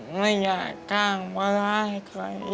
มันอยากก้าวหมดล้ายครั้ง